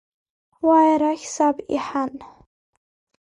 Уааи арахь саб, иҳан…